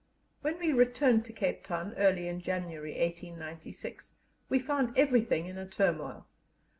When we returned to Cape Town early in January, 1896, we found everything in a turmoil.